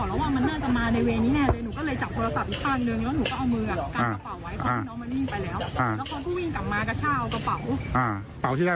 ก็แล้วจับโฟลอีกขั้นหนึ่งหนูก็เอามือกั้นกระเป๋าไว้